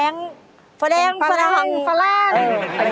แฟรงค์แฟรงค์แฟรงค์แฟรงค์แฟรงค์แฟรงค์